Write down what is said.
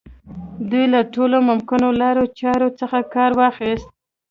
دوی له ټولو ممکنو لارو چارو څخه کار واخيست.